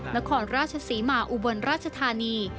นครราชศรีมาอุบลราชธานี